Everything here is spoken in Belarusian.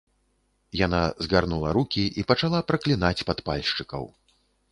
Яна згарнула рукі і пачала праклінаць падпальшчыкаў.